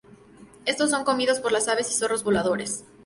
Estos son comidos por las aves y zorros voladores.